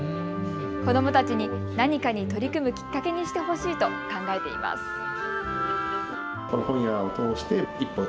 子どもたちに何かに取り組むきっかけにしてほしいと考えています。